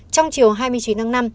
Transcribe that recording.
trong chiều hai mươi chín tháng năm